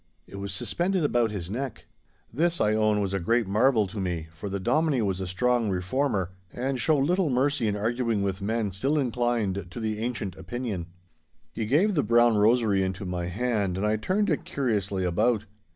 It was suspended about his neck. This, I own, was a great marvel to me, for the Dominie was a strong Reformer, and showed little mercy in arguing with men still inclined to the ancient opinion. He gave the brown rosary into my hand, and I turned it curiously about.